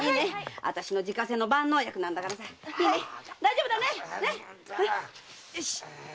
私の自家製の万能薬なんだからねいいね大丈夫だね